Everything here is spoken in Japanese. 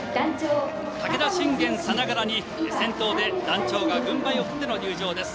武田信玄さながらに先頭で団長が軍配を振っての入場です。